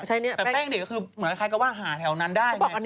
แต่แป้งเด็กคือเหมือนใครก็ว่าหาแถวนั้นได้